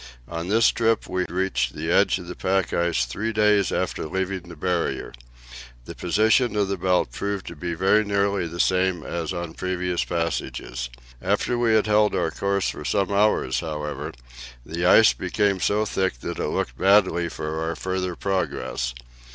On this trip we reached the edge of the pack ice belt three days after leaving the Barrier. The position of the belt proved to be very nearly the same as on previous passages. After we had held our course for some hours, however, the ice became so thick that it looked badly for our further progress.